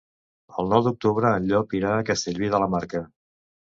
El nou d'octubre en Llop irà a Castellví de la Marca.